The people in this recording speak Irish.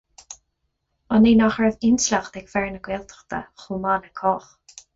An é nach raibh intleacht ag fear na Gaeltachta chomh maith le cách?